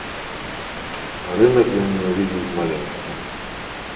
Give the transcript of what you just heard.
Рынак ён ненавідзеў з маленства.